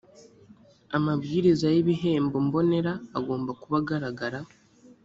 amabwiriza y ibihembo mbonera agomba kuba agaragara